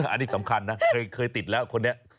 อันนี้สำคัญนะเคยติดแล้วคนนี้